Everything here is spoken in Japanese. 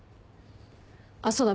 あっそうだ。